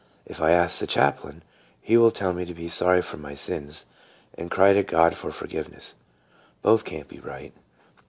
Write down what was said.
If I ask the chaplain, he will tell me to be sorry for my sins, and cry to God for forgiveness. Both can't be right."